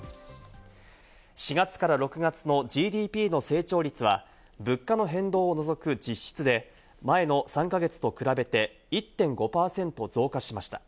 ４月から６月のＧＤＰの成長率は物価の変動を除く実質で、前の３か月と比べて１．５％増加しました。